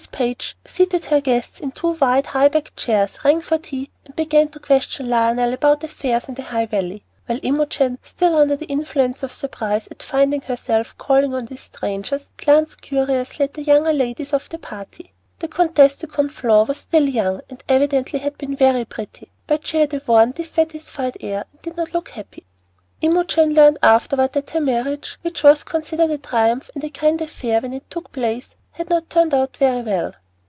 Page seated her guests in two wide, high backed chairs, rang for tea, and began to question Lionel about affairs in the High Valley, while Imogen, still under the influence of surprise at finding herself calling on these strangers, glanced curiously at the younger ladies of the party. The Comtesse de Conflans was still young, and evidently had been very pretty, but she had a worn, dissatisfied air, and did not look happy. Imogen learned afterward that her marriage, which was considered a triumph and a grand affair when it took place, had not turned out very well.